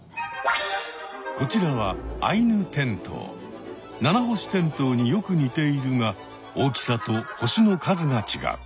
こちらはナナホシテントウによく似ているが大きさと星の数が違う。